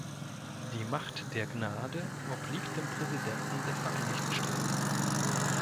Die Macht der Gnade obliegt dem Präsidenten der Vereinigten Staaten.